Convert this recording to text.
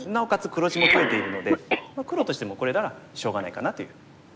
黒地も増えているので黒としてもこれならしょうがないかなという。